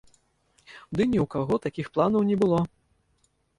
Ды і ні ў каго такіх планаў не было.